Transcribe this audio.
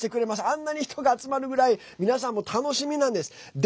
あんなに人が集まるぐらい皆さんも楽しみなんです。